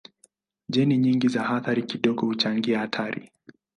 Jeni nyingi za athari kidogo huchangia hatari.